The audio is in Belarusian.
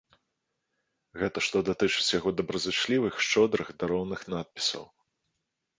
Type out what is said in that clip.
Гэта што датычыць яго добразычлівых, шчодрых дароўных надпісаў.